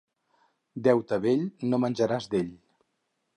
Deute vell, no menjaràs d'ell.